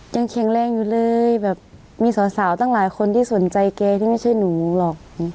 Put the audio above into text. ยังแข็งแรงอยู่เลยแบบมีสาวตั้งหลายคนที่สนใจแกที่ไม่ใช่หนูหรอก